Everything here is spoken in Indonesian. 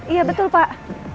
iya betul pak